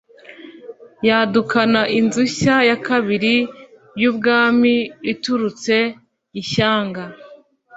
yadukana inzu nshya ya kabiri y'ubwami iturutse ishyanga